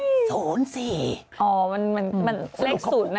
อ๋อมันเลข๐นะ